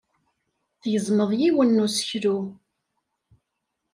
Tgezmeḍ yiwen n useklu.